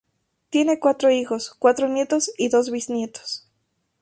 Tiene cuatro hijos, cuatro nietos y dos bisnietos.